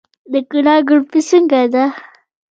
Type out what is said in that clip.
د کونړ ګلپي څنګه ده؟